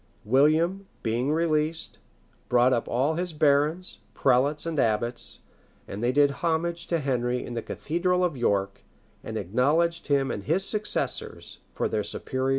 William, being released, brought up all his barons, prelates, and abbots; and they did homage to Henry in the cathedral of York, and acknowledged him and his successors for their superior lord.